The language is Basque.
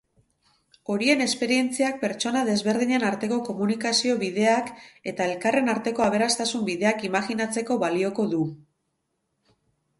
Horien esperientziak pertsona desberdinen arteko komunikazio-bideak eta elkarren arteko aberastasun-bideak imajinatzeko balioko du.